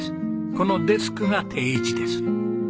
このデスクが定位置です。